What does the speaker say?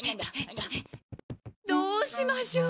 どうしましょう。